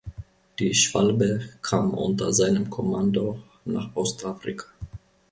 Die "Schwalbe" kam unter seinem Kommando nach Ostafrika.